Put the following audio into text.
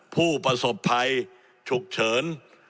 ผู้ประสบภัยฉุกเฉิน